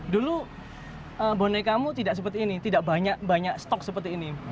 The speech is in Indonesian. dulu bonekamu tidak seperti ini tidak banyak banyak stok seperti ini